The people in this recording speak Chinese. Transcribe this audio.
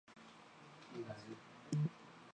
原作川内康范。